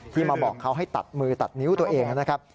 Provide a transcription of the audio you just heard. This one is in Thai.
มาบอกเขาให้ตัดมือตัดนิ้วตัวเองนะครับ